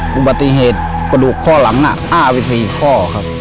ต้องตบปฏิเหตุกระดูกข้อหลังหน้า๕วิธีข้อครับ